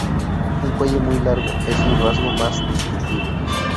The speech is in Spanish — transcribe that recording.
Un cuello muy largo es su rasgo más distintivo.